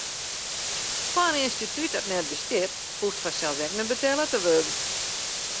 Foar in ynstitút dat net bestiet, hoecht fansels ek net betelle te wurden.